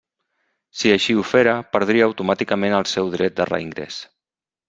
Si així ho fera, perdria automàticament el seu dret de reingrés.